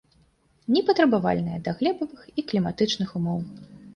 Непатрабавальная да глебавых і кліматычных умоў.